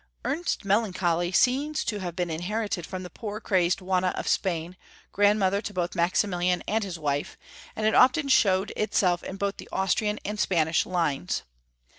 Ernst's melanclioly seems to have been inherited from the poor crazed Juana of Spain, gi andmother 812 Young Folks^ History of Germany. to both Maximilian and Ids wife, and it often showed itself in both the Austrian and Spanish lines.